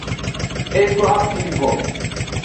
E doa fi vo.